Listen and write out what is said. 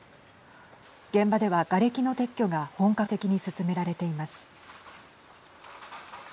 現場では、がれきの撤去が本格的に進められています。